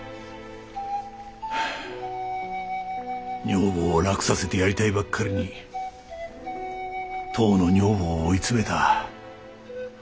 女房を楽させてやりたいばっかりに当の女房を追い詰めた。